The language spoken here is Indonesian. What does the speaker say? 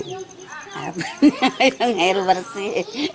harapan air bersih